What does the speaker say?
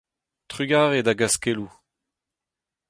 Trugarez da gas keloù.